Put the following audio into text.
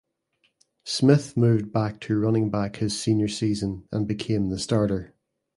Smith moved back to running back his senior season and become the starter.